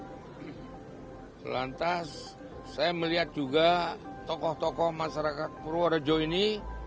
lantas saya melihat juga tokoh tokoh masyarakat purworejo ini